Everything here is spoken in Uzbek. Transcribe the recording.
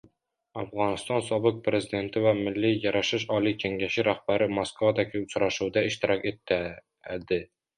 Afg‘oniston sobiq prezidenti va Milliy yarashish oliy kengashi rahbari Moskvadagi uchrashuvda ishtirok etadi